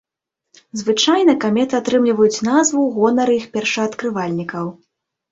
Звычайна каметы атрымліваюць назву ў гонар іх першаадкрывальнікаў.